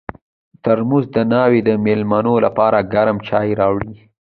ترموز د ناوې د مېلمنو لپاره ګرم چای راوړي.